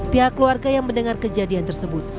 pihak keluarga yang mendengar kejadian tersebut